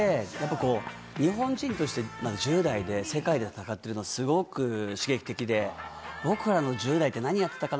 日本人として１０代で世界で戦ってるのをすごく刺激的で、僕らの１０代って何やってたかな？